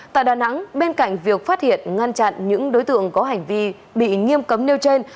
tại đà nẵng bên cạnh việc phát hiện ngăn chặn những đối tượng có hành vi bị nghiêm cấm nêu trên